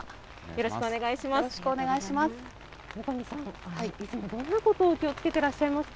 よろしくお願いします。